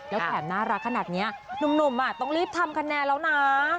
แล้วแถมน่ารักขนาดนี้หนุ่มต้องรีบทำคะแนนแล้วนะ